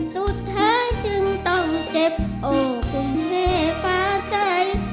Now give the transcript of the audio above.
สุดท้ายจึงต้องเจ็บโอบุงเทฟ้าใส